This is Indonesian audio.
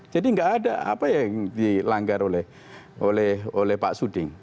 jadi nggak ada apa yang dilanggar oleh pak suding